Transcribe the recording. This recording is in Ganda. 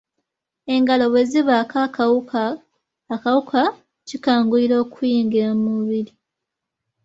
Engalo bwe zibaako akawuka, akawuka kikanguyira okukuyingira mu mubiri.